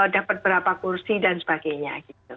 dapat berapa kursi dan sebagainya